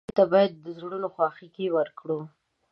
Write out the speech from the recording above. ټپي ته باید د زړونو خواخوږي ورکړو.